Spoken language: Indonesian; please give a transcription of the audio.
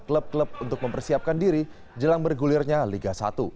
klub klub untuk mempersiapkan diri jelang bergulirnya liga satu